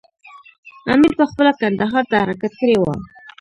امیر پخپله کندهار ته حرکت کړی وو.